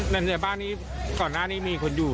ในบ้านนี้ก่อนหน้านี้มีคนอยู่